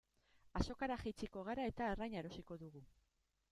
Azokara jaitsiko gara eta arraina erosiko dugu.